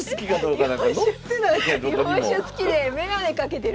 日本酒好きで眼鏡かけてる。